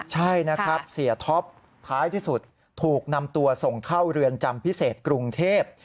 ใช่นะครับเสียท็อปท้ายที่สุดถูกนำตัวส่งเข้าเรือนจำพิเศษกรุงเทพ